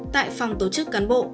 tại phòng tổ chức cán bộ